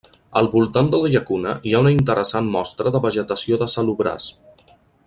Al voltant de la llacuna hi ha una interessant mostra de vegetació de salobrars.